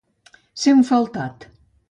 Ser un faltat.